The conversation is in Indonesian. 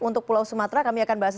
untuk pulau sumatera kami akan bahas